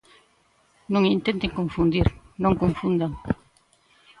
Non intenten confundir, non confundan.